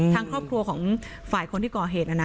ทางครอบครัวของฝ่ายคนที่ก่อเหตุนะนะ